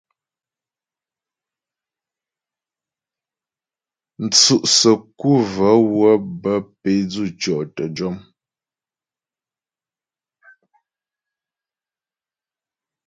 Mtsʉ' səku və́ wə́ bə́ pé dzʉtyɔ' təjɔm.